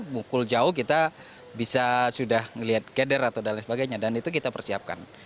mukul jauh kita bisa sudah melihat keder atau dan lain sebagainya dan itu kita persiapkan